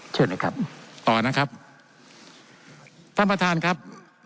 เชิญนะครับต่อนะครับท่านประธานครับ